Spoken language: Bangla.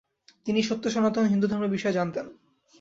তিনি সত্য সনাতন হিন্দু ধর্মের বিষয়ে জানেন।